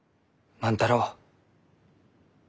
万太郎。